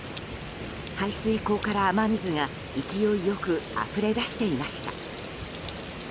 排水溝から雨水が勢い良くあふれ出していました。